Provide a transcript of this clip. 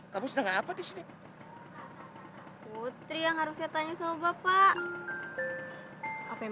kamu sedang apa di sini putri yang harusnya tanya sama bapak apa yang